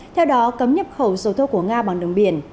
theo đó cấm nhập khẩu dầu thô của nga bằng đường biển